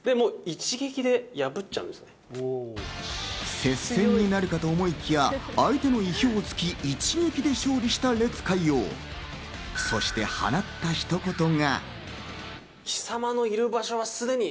接戦になるかと思いきや、相手の意表を突き、一撃で勝利した烈海王。そして放った一言が。